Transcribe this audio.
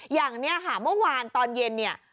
อย่างนี้ค่ะเมื่อวานตอนเย็นเนี่ย